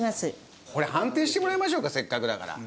これ判定してもらいましょうかせっかくだから。